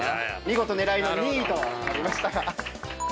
見事狙いの２位となりました。